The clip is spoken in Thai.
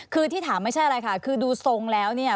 คือที่ถามไม่ใช่อะไรค่ะคือดูทรงแล้วเนี่ย